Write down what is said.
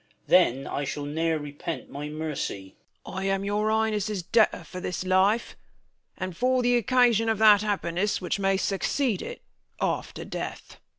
That I shall ne'er rej^ent my mercy. Bern. I am your Highness' debtor for this life, And for th' occasion of that happiness Which may succeed it after death.